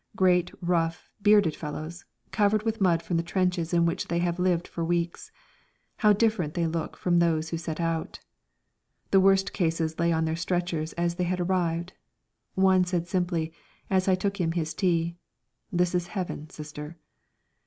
Great rough, bearded fellows, covered with mud from the trenches in which they have lived for weeks, how different they look from those who set out! The worst cases lay on their stretchers as they had arrived. One said simply, as I took him his tea, "This is heaven, Sister."